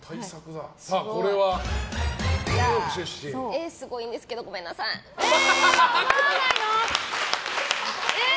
絵、すごいんですけどごめんなさい、×。